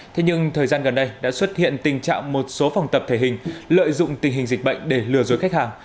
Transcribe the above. thế nhưng thời gian gần đây đã xuất hiện tình trạng một số phòng tập thể hình lợi dụng tình hình dịch bệnh để lừa dối khách hàng